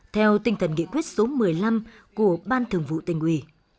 theo tinh thần nghị quyết số một mươi năm của ban thường vụ tình quỳ